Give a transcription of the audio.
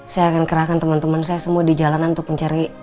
saya akan kerahkan teman teman saya semua di jalanan untuk mencari